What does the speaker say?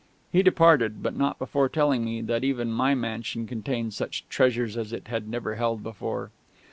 He departed, but not before telling me that even my mansion contained such treasures as it had never held before.